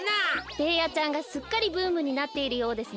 ベーヤちゃんがすっかりブームになっているようですね。